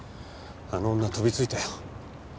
あの女飛びついたよ。